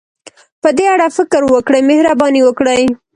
په دې اړه فکر وکړئ، مهرباني وکړئ.